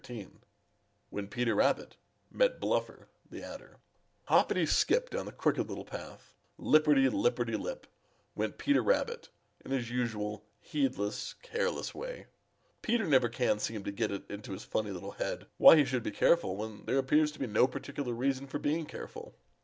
XIII. WHEN PETER RABBIT FIRST MET BLUFFER THE ADDER |HOPPITY SKIP down the Crooked Little Path, lipper ty lipperty lip, went Peter Rabbit in his usual heedless, careless way. Peter never can seem to get it into his funny little head why he should be careful when there appears to be no particular reason for being careful.